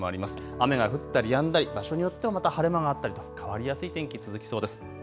雨が降ったりやんだり、場所によってはまた晴れ間があったりと変わりやすい天気続きそうです。